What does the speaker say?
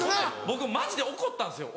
僕マジで怒ったんですよ。